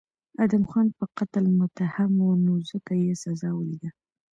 ادهم خان په قتل متهم و نو ځکه یې سزا ولیده.